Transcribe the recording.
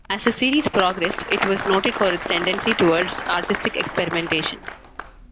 As the series progressed, it was noted for its tendency towards artistic experimentation.